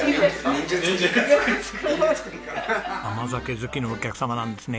甘酒好きのお客様なんですね。